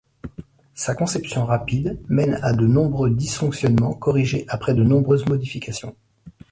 Sa conception rapide mène à de nombreux dysfonctionnements, corrigés après de nombreuses modifications.